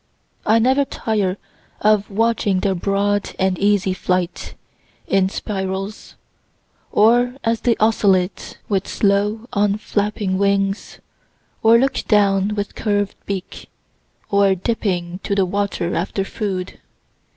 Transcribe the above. I never tire of watching their broad and easy flight, in spirals, or as they oscillate with slow unflapping wings, or look down with curved beak, or dipping to the water after food.